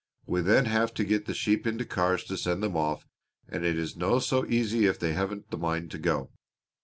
We then have to get the sheep into cars to send them off and it is no so easy if they haven't the mind to go.